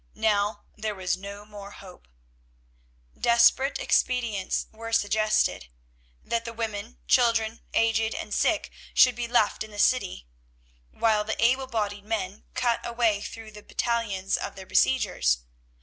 Now there was no more hope. Desperate expedients were suggested: That the women, children, aged and sick should be left in the city, while the able bodied men cut a way through the battalions of their besiegers.